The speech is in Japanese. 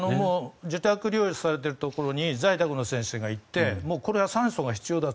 自宅療養されているところに在宅の先生が行ってこれは酸素が必要だと。